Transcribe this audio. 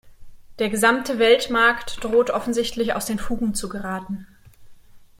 Der gesamte Weltmarkt droht offensichtlich aus den Fugen zu geraten.